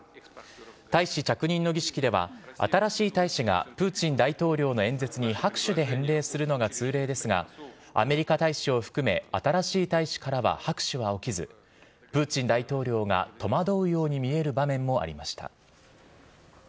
大使着任の儀式では新しい大使がプーチン大統領の演説に拍手で返礼するのが通例ですがアメリカ大使を含め新しい大使からは拍手が起きずプーチン大統領が戸惑うように見える場面もありました。